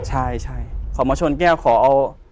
ใช่เขามาชนแก้วขอเอา